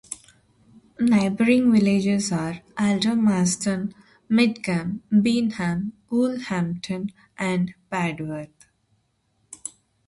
Neighbouring villages are Aldermaston, Midgham, Beenham, Woolhampton and Padworth.